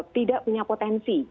tidak punya potensi